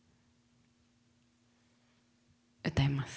歌います。